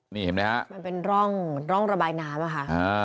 นี่เห็นไหมฮะมันเป็นร่องระบายน้ำอะค่ะ